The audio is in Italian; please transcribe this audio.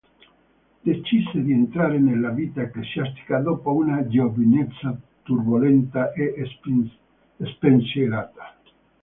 Decise di entrare nella vita ecclesiastica dopo una giovinezza turbolenta e spensierata.